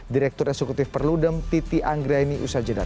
direktur eksekutif perludem titi anggraini usadjadat